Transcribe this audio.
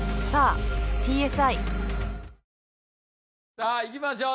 さあいきましょう。